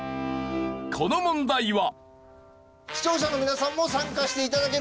この問題は。